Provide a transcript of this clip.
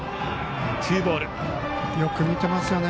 よく見ていますよね